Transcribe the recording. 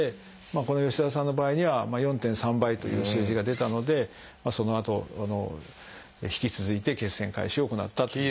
この吉澤さんの場合には４．３倍という数字が出たのでそのあと引き続いて血栓回収を行ったという。